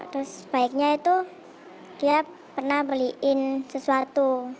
terus sebaiknya itu dia pernah beliin sesuatu